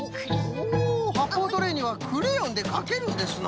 おおはっぽうトレーにはクレヨンでかけるんですな。